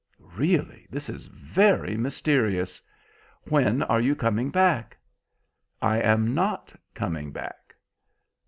"Really, this is very mysterious. When are you coming back?" "I am not coming back."